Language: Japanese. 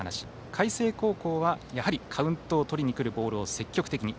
海星高校はやはりカウントをとりにくるボールを積極的に。